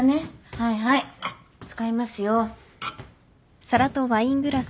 はいはい使いますよ。